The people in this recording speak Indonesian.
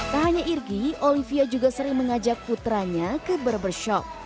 tak hanya irgi olivia juga sering mengajak putranya ke barbershop